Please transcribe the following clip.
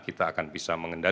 kita akan bisa menjaga jarak